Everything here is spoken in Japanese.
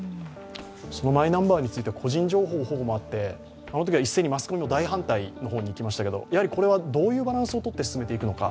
そのマイナンバーについて個人情報保護もあってあのときは一斉にマスコミも大反対の方にいきましたがこれはどういうバランスをとって進めていくのか。